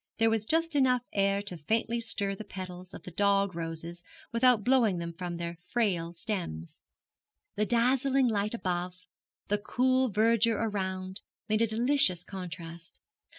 There was just enough air to faintly stir the petals of the dog roses without blowing them from their frail stems. The dazzling light above, the cool verdure around, made a delicious contrast.